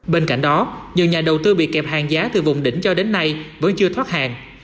bên cạnh đó nhiều nhà đầu tư bị kẹp hàng giá từ vùng đỉnh cho đến nay vẫn chưa thoát hàng